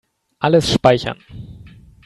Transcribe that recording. Alles speichern.